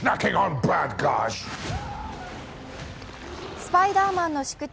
スパイダーマンの宿敵